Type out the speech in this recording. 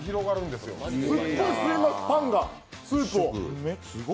すっごい吸います、パンがスープを。